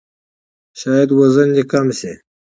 شاید وزن دې کم شي!